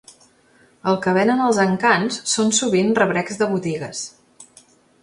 El que venen als encants són sovint rebrecs de botigues.